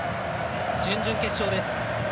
準々決勝です。